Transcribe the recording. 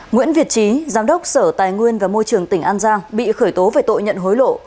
nguyễn việt trí giám đốc sở tài nguyên và môi trường tỉnh an giang bị khởi tố về tội nhận hối lộ